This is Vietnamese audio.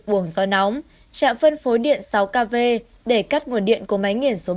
trực buồng gió nóng chạm phân phối điện sáu kv để cắt nguồn điện của máy nghiển số ba